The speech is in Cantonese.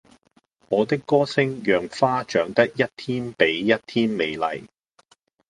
我的歌聲讓花長得一天比一天美麗